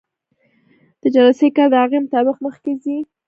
د جلسې کار د هغې مطابق مخکې ځي.